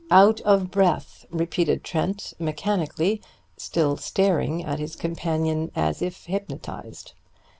"Out of breath," repeated Trent mechanically, still staring at his companion as if hypnotized.